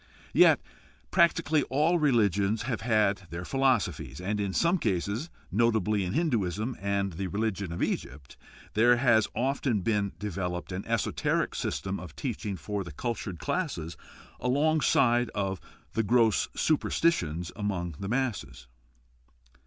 Yet practically all religions have had their philosophies, and in some cases, notably in Hinduism and the religion of Egypt, there has often been developed an esoteric system of teaching for the cultured classes along side of gross superstitions among the masses.